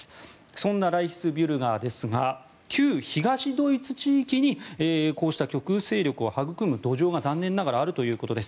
そんなライヒスビュルガーですが旧東ドイツ地域にこうした極右組織を育む土壌が残念ながらあるということです。